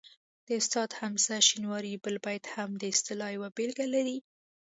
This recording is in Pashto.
د استاد حمزه شینواري بل بیت هم د اصطلاح یوه بېلګه لري